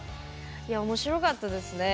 いや面白かったですね